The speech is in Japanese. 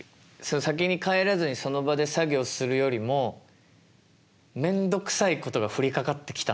先に帰らずにその場で作業をするよりもめんどくさいことが降りかかってきたのよ。